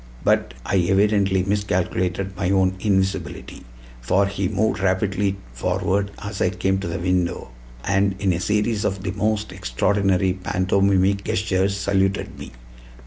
But I evidently miscalculated my own invisibility; for he moved rapidly forward as I came to the window, and in a series of the most extraordinary pantomimic gestures saluted me.